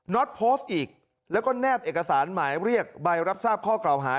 ็อตโพสต์อีกแล้วก็แนบเอกสารหมายเรียกใบรับทราบข้อกล่าวหา